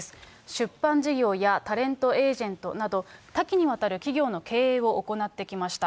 出版事業やタレントエージェントなど、多岐にわたる企業の経営を行ってきました。